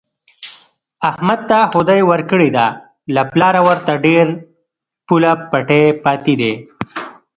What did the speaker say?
احمد ته خدای ورکړې ده، له پلاره ورته ډېر پوله پټی پاتې دی.